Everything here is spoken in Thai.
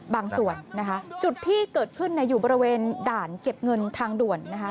บางส่วนนะคะจุดที่เกิดขึ้นอยู่บริเวณด่านเก็บเงินทางด่วนนะคะ